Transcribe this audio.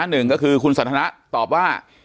หนึ่งก็คือคุณสันทนะตอบว่า